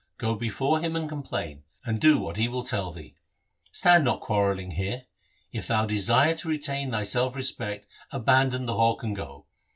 Go before him and complain, and do what he will tell thee. Stand not quarrelling here. If thou desire to retain thy self respect, abandon the hawk and go.